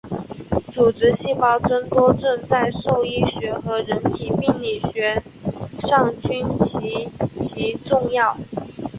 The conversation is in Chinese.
组织细胞增多症在兽医学和人体病理学上均极其重要。